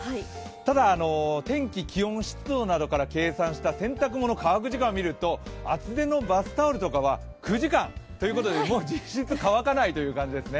ただ、天気・気温・湿度などから計算した洗濯物乾く時間を見ると厚手のバスタオルとかは９時間ということで、もう実質乾かないという感じですね。